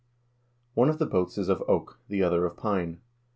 One of the boats is of oak, the other of pine.